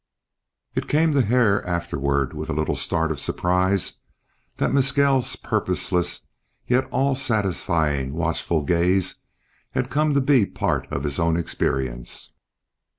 It came to Hare afterward with a little start of surprise that Mescal's purposeless, yet all satisfying, watchful gaze had come to be part of his own experience.